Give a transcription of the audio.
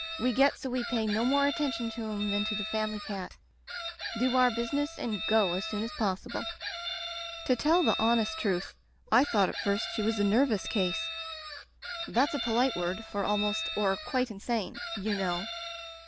We get so we pay no more attention to 'em than to the family cat; do our business and go as soon as possible. "To tell the honest truth, I thought at first she was a 'nervous case.' That's a polite word for almost or quite insane, you Digitized by LjOOQ IC The Rubber Stamp know.